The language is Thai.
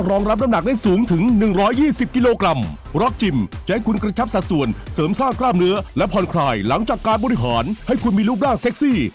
และผ่อนคลายหลังจากการบริหารให้คุณมีรูปร่างเซ็กซี่